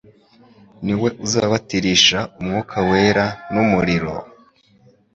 ni we uzababatirisha Umwuka wera n'umuriro».